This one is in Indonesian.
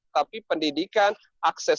tapi pendidikan akses